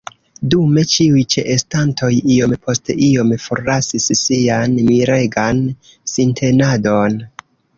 Dume ĉiuj ĉeestantoj iom post iom forlasis sian miregan sintenadon.